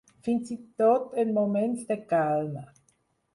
Fins i tot en moments de calma.